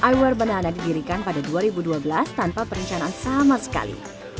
iwer banahana didirikan pada dua ribu dua belas tanpa perencanaan sama sekali